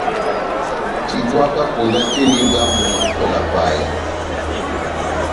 Titwaka konda tɛ́h eni bwámu opɛlɛ ya paya.